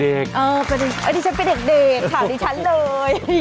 อันนี้ฉันเป็นเด็กถามดิฉันเลย